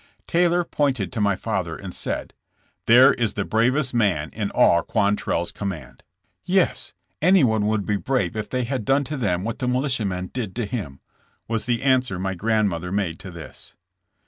Taylor pointed to my father and said : "There is the bravest man in all Quantrell's command. '' "Yes, anyone would be brave if they had done to them what the militiamen did to him, '' was the answer my grandmother made to this.